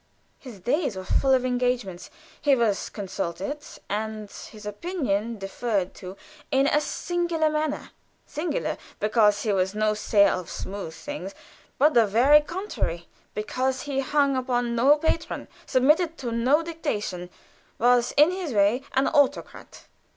His days were full of engagements; he was consulted, and his opinion deferred to in a singular manner singular, because he was no sayer of smooth things, but the very contrary; because he hung upon no patron, submitted to no dictation, was in his way an autocrat.